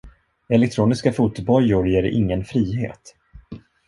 Elektroniska fotbojor ger ingen frihet.